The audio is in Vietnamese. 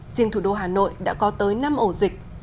riêng thủ đô hà nội đã có tới năm ổ dịch